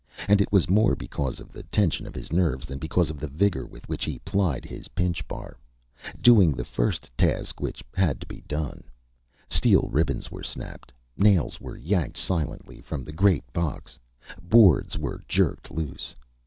And it was more because of the tension of his nerves than because of the vigor with which he plied his pinchbar, doing the first task which had to be done. Steel ribbons were snapped, nails were yanked silently from the great box, boards were jerked loose.